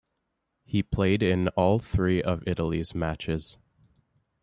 He played in all three of Italy's matches.